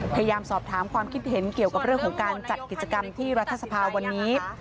พยายามสอบถามความคิดเห็นเกี่ยวกับเรื่องของการจัดกิจกรรมที่รัฐสภาวันนี้